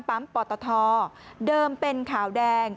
ปอตทเดิมเป็นขาวแดง